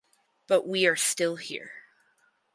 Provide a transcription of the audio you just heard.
But we are still here.